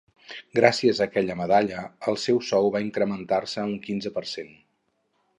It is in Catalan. Gràcies a aquesta medalla, el seu sou va incrementar-se un quinze per cent.